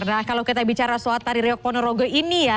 nah kalau kita bicara soal tarik ponorogo ini ya